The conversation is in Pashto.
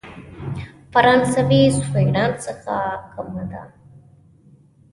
فرانسې سوېډن څخه کمه ده.